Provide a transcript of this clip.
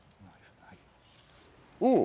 うん！